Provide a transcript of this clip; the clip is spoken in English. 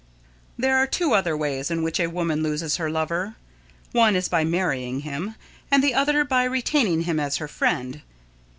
There are two other ways in which a woman loses her lover. One is by marrying him and the other by retaining him as her friend.